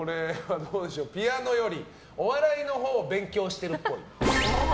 ピアノよりお笑いの方が勉強してるっぽい。